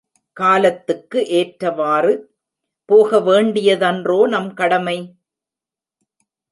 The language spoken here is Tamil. காலத்துக்கு ஏற்றவாறு போக வேண்டியதன்றோ நம் கடமை?